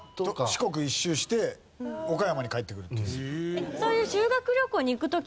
四国一周して岡山に帰ってくるっていう。